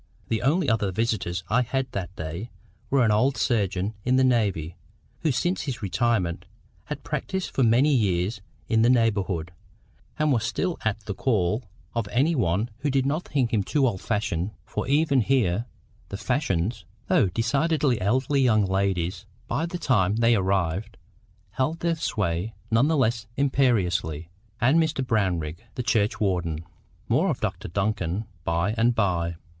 The only other visitors I had that day were an old surgeon in the navy, who since his retirement had practised for many years in the neighbourhood, and was still at the call of any one who did not think him too old fashioned—for even here the fashions, though decidedly elderly young ladies by the time they arrived, held their sway none the less imperiously—and Mr Brownrigg, the churchwarden. More of Dr Duncan by and by.